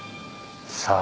さあ。